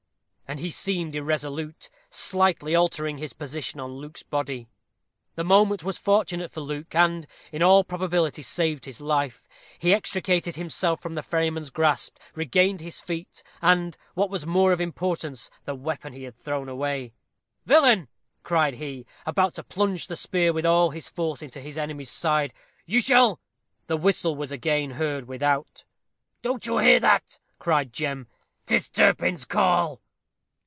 And he seemed irresolute, slightly altering his position on Luke's body. The moment was fortunate for Luke, and, in all probability, saved his life. He extricated himself from the ferryman's grasp, regained his feet, and, what was of more importance, the weapon he had thrown away. "Villain!" cried he, about to plunge the spear with all his force into his enemy's side, "you shall " The whistle was again heard without. "Don't you hear that?" cried Jem: "'Tis Turpin's call."